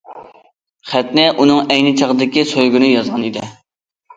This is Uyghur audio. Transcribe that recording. خەتنى ئۇنىڭ ئەينى چاغدىكى سۆيگۈنى يازغان ئىدى.